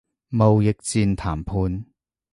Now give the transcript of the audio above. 貿易戰談判